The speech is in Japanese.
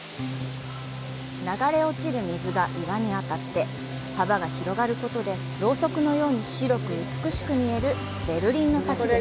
流れ落ちる水が岩に当たって幅が広がることでろうそくのように白く美しく見えるベルリンの滝です。